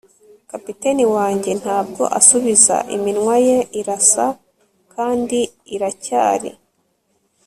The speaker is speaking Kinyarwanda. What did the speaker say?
kapiteni wanjye ntabwo asubiza, iminwa ye irasa kandi iracyari